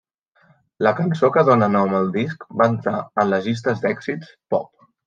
La cançó que dóna nom al disc va entrar en les llistes d'èxits pop.